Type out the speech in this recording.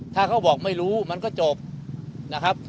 ถ้าเขาบอกไม่รู้มันก็จบนะครับ